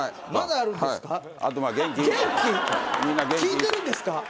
まだあるんですか？